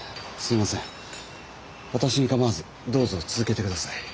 私にかまわずどうぞ続けてください。